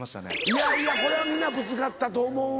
いやいやこれは皆ぶつかったと思うわ。